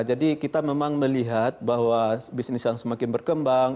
jadi kita memang melihat bahwa bisnis yang semakin berkembang